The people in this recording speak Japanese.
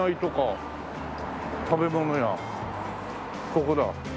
ここだ。